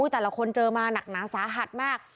แต่ละคนเจอมาหนักหนาสาหัสมาก